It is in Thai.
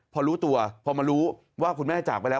พอรู้ตัวพอมารู้ว่าคุณแม่จากไปแล้ว